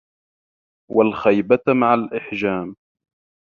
وَالْخَيْبَةَ مَعَ الْإِحْجَامِ